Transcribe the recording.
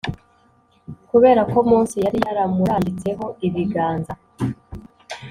kubera ko Mose yari yaramurambitseho ibiganza.